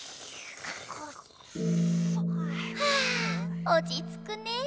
はあおちつくねえ。